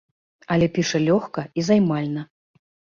Але піша лёгка і займальна.